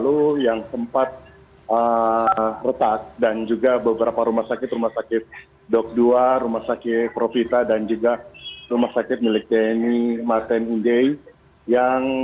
untuk para pengusaha